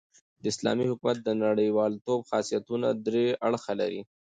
د اسلامي حکومت د نړۍوالتوب خاصیتونه درې اړخه لري.